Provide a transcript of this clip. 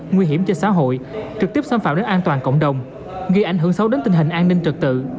nguy hiểm cho xã hội trực tiếp xâm phạm đến an toàn cộng đồng gây ảnh hưởng sâu đến tình hình an ninh trật tự